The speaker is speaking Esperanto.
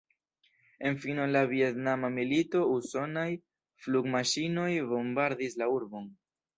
En fino de la Vjetnama milito usonaj flugmaŝinoj bombardis la urbon.